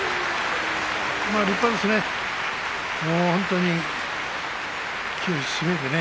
立派ですね。